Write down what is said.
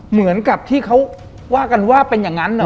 เหมือนกับที่เขาว่ากันว่าเป็นอย่างนั้นเหรอ